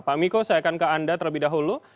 pak miko saya akan ke anda terlebih dahulu